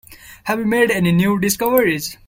Have you made any new discoveries?